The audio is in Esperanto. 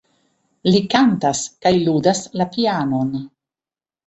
Li kantas kaj ludas la pianon.